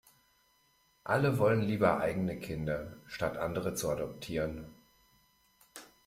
Alle wollen lieber eigene Kinder, statt andere zu adoptieren.